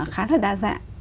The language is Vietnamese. khá là đa dạng